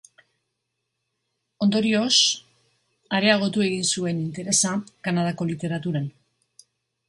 Ondorioz, areagotu egin zuen interesa Kanadako literaturan.